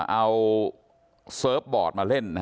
เอาเซิร์ฟบอร์ดมาเล่น